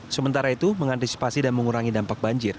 sementara itu mengantisipasi dan mengurangi dampak banjir